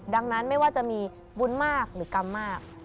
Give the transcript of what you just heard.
ดังนั้นไม่ว่าจะมีบุญมากหรือกรรมมาก